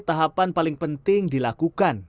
tahapan paling penting dilakukan